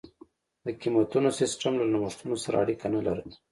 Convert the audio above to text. د قېمتونو سیستم له نوښتونو سره اړیکه نه لرله.